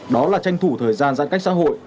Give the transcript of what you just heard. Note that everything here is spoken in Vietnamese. đó là tranh thủ thời gian giãn cách xã hội